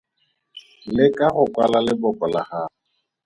Leka go kwala leboko la gago.